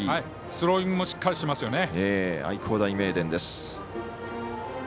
スローイングもしっかりしてますよね。